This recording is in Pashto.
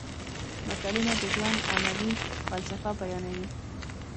متلونه د ژوند عملي فلسفه بیانوي